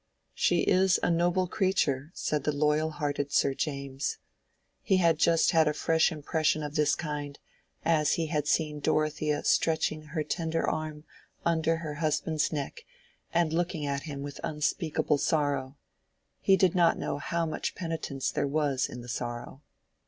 "She is a noble creature," said the loyal hearted Sir James. He had just had a fresh impression of this kind, as he had seen Dorothea stretching her tender arm under her husband's neck and looking at him with unspeakable sorrow. He did not know how much penitence there was in the sorrow.